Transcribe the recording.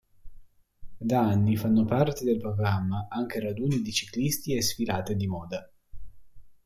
Da anni fanno parte del programma anche raduni di ciclisti e sfilate di moda.